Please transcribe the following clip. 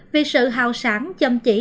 vì sự hào sản châm chỉ